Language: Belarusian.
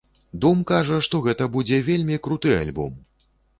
Дум кажа, што гэта будзе вельмі круты альбом!